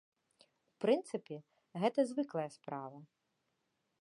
У прынцыпе, гэта звыклая справа.